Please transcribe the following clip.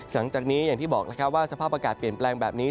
หลังจากนี้อย่างที่บอกแล้วครับว่าสภาพอากาศเปลี่ยนแปลงแบบนี้